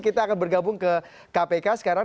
kita akan bergabung ke kpk sekarang